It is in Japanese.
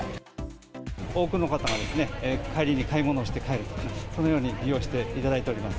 多くの方がですね、帰りに買い物をして帰るとか、そのように利用していただいております。